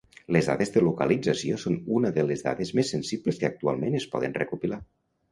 Les dades de localització són unes de les dades més sensibles que actualment es poden recopilar.